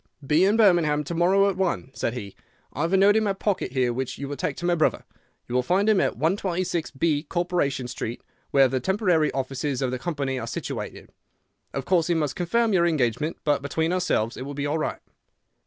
"'Be in Birmingham to morrow at one,' said he. 'I have a note in my pocket here which you will take to my brother. You will find him at 126B, Corporation Street, where the temporary offices of the company are situated. Of course he must confirm your engagement, but between ourselves it will be all right.